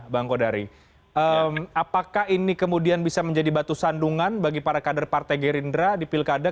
bang kodari apakah ini kemudian bisa menjadi batu sandungan bagi para kader partai gerindra di pilkada